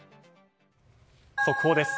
速報です。